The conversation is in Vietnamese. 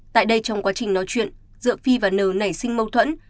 tại đây trong quá trình nói chuyện giữa phi và n nảy sinh mâu thuẫn